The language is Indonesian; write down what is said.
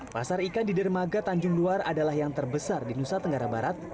pasar ikan di dermaga tanjung luar adalah yang terbesar di nusa tenggara barat